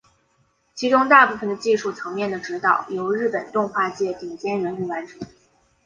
其中大部分的技术层面的指导由日本动画界顶尖人物完成。